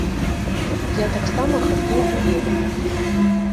Я таксама хацеў бы ведаць.